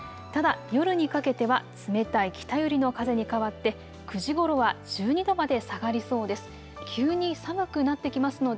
ただ夜にかけては冷たい北寄りの風に変わって９時ごろは１２度まで下がりそうです。